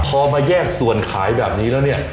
พอมาแยกส่วนขายแบบนี้แล้วเนี่ย